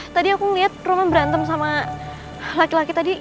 tadi aku ngelihat roman berantem sama laki laki tadi